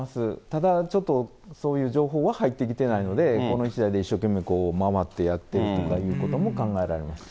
ただ、ちょっとそういう情報は入ってきていないので、この１台で一生懸命回ってやってということも考えられます。